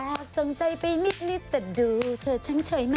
แอ๊บสงใจไปนิดนิดแต่ดูเธอเฉินเฉยหน่อย